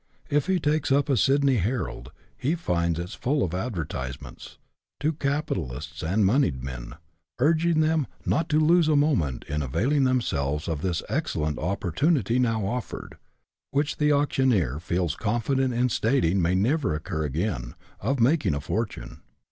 If he takes up a * Sydney Herald,' he finds it full of advertisements " to capitalists and monied men," urging them " not to lose a moment in availing themselves of this excellent opportunity now offered," which the auctioneer " feels confident in stating may never occur again," of " making a fortune."